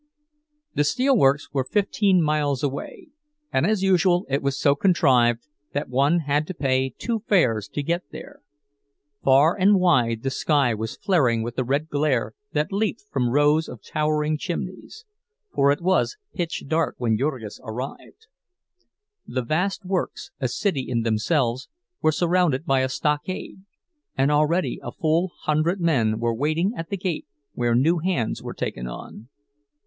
The steel works were fifteen miles away, and as usual it was so contrived that one had to pay two fares to get there. Far and wide the sky was flaring with the red glare that leaped from rows of towering chimneys—for it was pitch dark when Jurgis arrived. The vast works, a city in themselves, were surrounded by a stockade; and already a full hundred men were waiting at the gate where new hands were taken on.